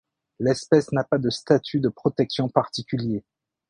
L'espèce n'a pas de statut de protection particulier.